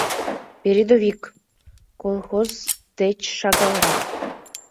— «Передовик» колхоз деч шагалрак.